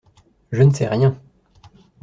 Je ne sais rien.